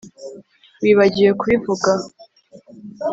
Wibagiwe kubivuga